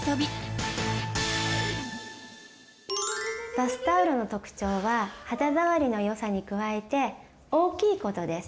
バスタオルの特徴は肌触りのよさに加えて大きいことです。